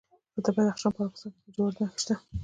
د بدخشان په راغستان کې د لاجوردو نښې شته.